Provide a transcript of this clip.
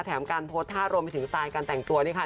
แถมการพดท่าโรงไปถึงสายการแต่งตัวนี่ค่ะ